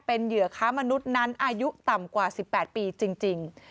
เป็นเหยื่อค้ามนุษย์นั้นอายุต่ำกว่า๑๘ปีจริง